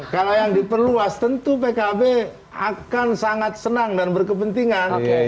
kalau yang diperluas tentu pkb akan sangat senang dan berkepentingan